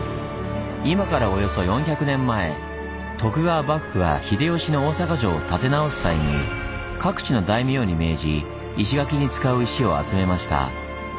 今からおよそ４００年前徳川幕府が秀吉の大坂城を建て直す際に各地の大名に命じ石垣に使う石を集めました。